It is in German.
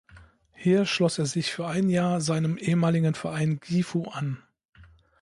Hier schloss er sich für ein Jahr seinem ehemaligen Verein Gifu an.